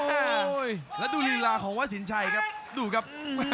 แล้วดูฬีลาของวัสินชัยครับดูครับ